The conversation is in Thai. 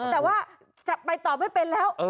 แต่ว่าจะไปต่อไม่เป็นแล้ว